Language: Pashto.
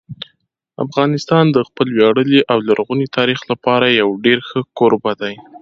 افغانستان د خپل ویاړلي او لرغوني تاریخ لپاره یو ډېر ښه کوربه دی.